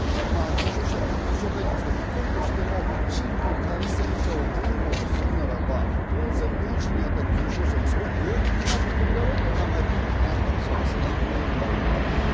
重症化率が低いとしても新規感染者を分母とするならば、当然、分子に当たる重症者も大きくなってくるだろうという考えでそうですね。